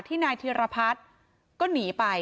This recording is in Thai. นายธิรพัฒน์ก็หนีไป